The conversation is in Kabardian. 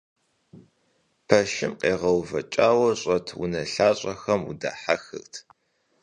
Пэшым къегъэувэкӀауэ щӀэт унэлъащӀэхэм удахьэхырт.